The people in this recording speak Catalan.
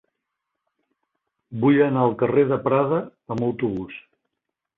Vull anar al carrer de Prada amb autobús.